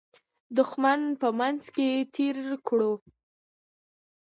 دښمن په منځ کې تېر کړو.